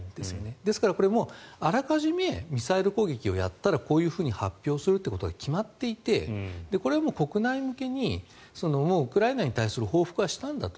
ですから、これもあらかじめミサイル攻撃をやったらこういうふうに発表するって決まっていてこれも国内向けにウクライナに対する報復はしたんだと。